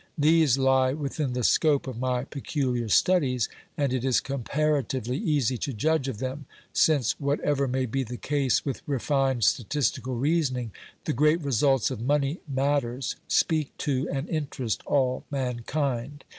These lie within the scope of my peculiar studies, and it is comparatively easy to judge of them, since whatever may be the case with refined statistical reasoning, the great results of money matters speak to and interest all mankind.